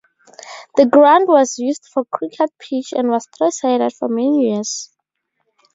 The ground was used for cricket pitch and was three-sided for many years.